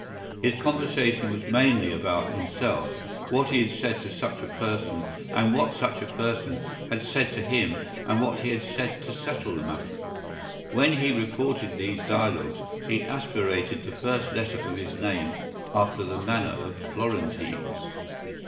His conversation was mainly about himself: what he had said to such a person and what such a person had said to him and what he had said to settle the matter. When he reported these dialogues he aspirated the first letter of his name after the manner of Florentines.